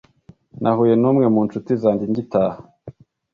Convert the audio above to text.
Nahuye n'umwe mu ncuti zanjye ngitaha.